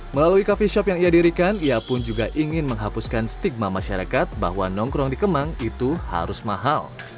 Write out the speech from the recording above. melalui coffee shop yang ia dirikan ia pun juga ingin menghapuskan stigma masyarakat bahwa nongkrong di kemang itu harus mahal